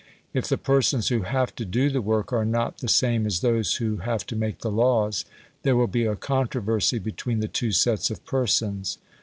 If the persons who have to do the work are not the same as those who have to make the laws, there will be a controversy between the two sets of persons.